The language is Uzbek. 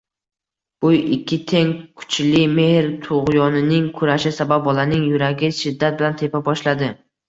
Bu ikki teng kuchli mehr tugʻyonining kurashi sabab bolaning yuragi shiddat bilan tepa boshladi.